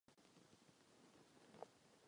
Nedlouho poté byla lavička postavena.